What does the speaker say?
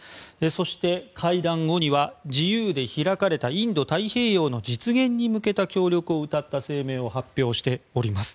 そして、会談後には自由で開かれたインド太平洋の実現に向けた協力をうたった声明を発表しております。